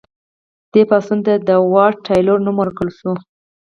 دې پاڅون ته د واټ تایلور نوم ورکړل شو.